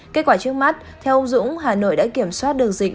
kết quả trước mắt theo ông dũng hà nội đã kiểm soát được dịch